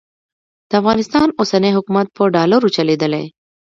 د افغانستان اوسنی حکومت په ډالرو چلېدلی.